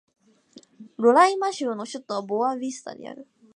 ロライマ州の州都はボア・ヴィスタである